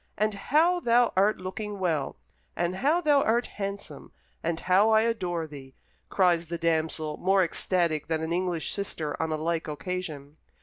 And how thou art looking well, and how thou art handsome, and how I adore thee!" cries the damsel, more ecstatic than an English sister on a like occasion.